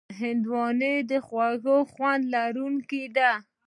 هندوانه د خوږ خوند لرونکې ده.